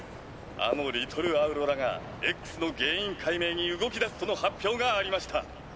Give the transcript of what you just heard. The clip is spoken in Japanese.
あのリトルアウロラが“Ｘ”の原因解明に動きだすとの発表がありました」。